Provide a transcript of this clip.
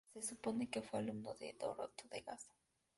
Se supone que fue alumno de Doroteo de Gaza.